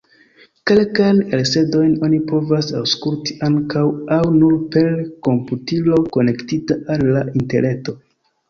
Kelkajn elsendojn oni povas aŭskulti ankaŭ aŭ nur per komputilo konektita al la interreto.